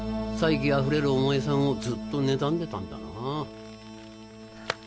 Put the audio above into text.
才気あふれるお前さんをずっとねたんでたんだな。